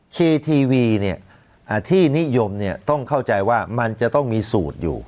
ทีทีวีที่นิยมต้องเข้าใจว่ามันจะต้องมีสูตรอยู่